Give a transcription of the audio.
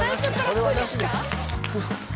それはなしです。